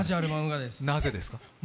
なぜですか？